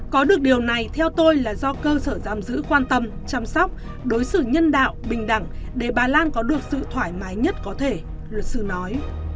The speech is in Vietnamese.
có được điều này theo tôi là do cơ sở giam giữ quan tâm chăm sóc đối xử nhân đạo bình đẳng để bà lan có được sự thoải mái nhất có thể luật sư nói